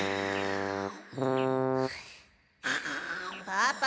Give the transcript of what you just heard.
パパ。